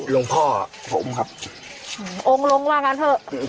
ลงพ่อผมครับอ๋อโอ้งลงว่างั้นเถอะ